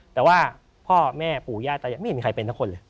แต่ว่าพ่อแม่ปู่ย่าตายายไม่มีใครเป็นทั้งคนเลย